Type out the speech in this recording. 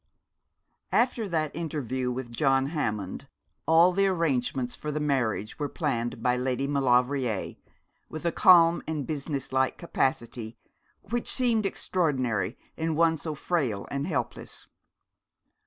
After that interview with John Hammond all the arrangements for the marriage were planned by Lady Maulevrier with a calm and business like capacity which seemed extraordinary in one so frail and helpless.